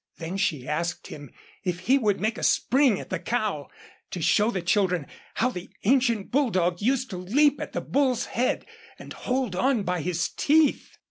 Then she asked him if he would make a spring at the cow, to show the children how the ancient bulldog used to leap at the bull's head, and hold on by his teeth.